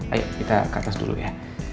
ayo kita ke atas dulu ya